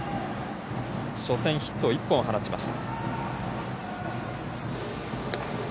初戦、ヒット１本を放ちました。